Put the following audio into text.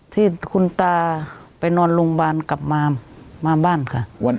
ที่คุณตาไปนอนโรงพยาบาลกลับมามาบ้านค่ะ